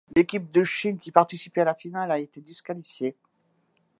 L'équipe de Chine qui participait à la finale A a été disqualifiée.